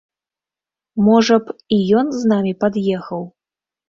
Можа б, і ён з намі пад'ехаў?